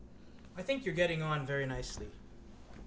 I think you're getting on very nicely.